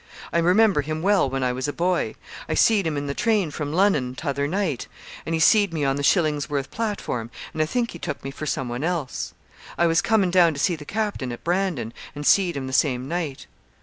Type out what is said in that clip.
I remember him well when I was a boy. I seed him in the train from Lunnon t'other night; and he seed me on the Shillingsworth platform, and I think he took me for some one else. I was comin' down to see the Captain at Brandon and seed him the same night.'